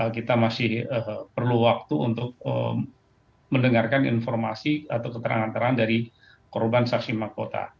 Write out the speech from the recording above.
kita masih perlu waktu untuk mendengarkan informasi atau keterangan keterangan dari korban saksi mahkota